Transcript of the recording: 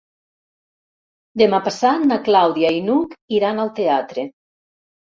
Demà passat na Clàudia i n'Hug iran al teatre.